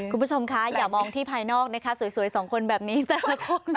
คุณผู้ชมคะอย่ามองที่ภายนอกนะคะสวยสองคนแบบนี้แต่ละคน